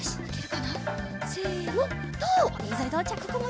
せの！